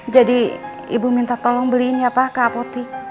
jadi ibu minta tolong beliin ya pak ke apotik